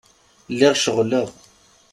Lliɣ ceɣleɣ.